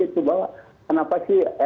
itu bahwa kenapa sih